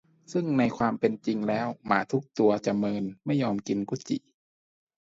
ซึ่งในความเป็นจริงแล้วหมาทุกตัวจะเมินไม่ยอมกินกุดจี่